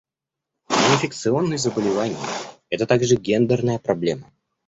Неинфекционные заболевания — это также гендерная проблема.